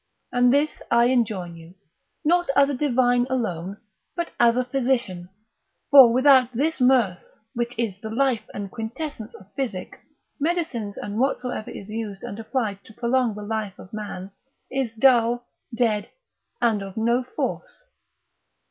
And this I enjoin you, not as a divine alone, but as a physician; for without this mirth, which is the life and quintessence of physic, medicines, and whatsoever is used and applied to prolong the life of man, is dull, dead, and of no force.